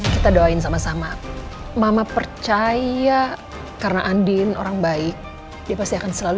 kita doain sama sama mama percaya karena andin orang baik dia pasti akan selalu